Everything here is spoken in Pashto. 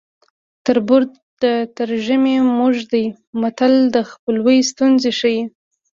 تربور د ترږمې موږی دی متل د خپلوۍ ستونزې ښيي